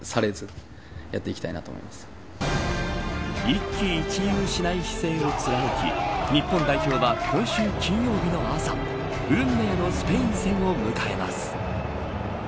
一喜一憂しない姿勢を貫き日本代表は、今週金曜日の朝運命のスペイン戦を迎えます。